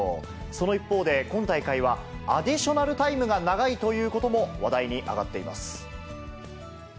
その一方で、今大会はアディショナルタイムが長いということも話題に上がっています。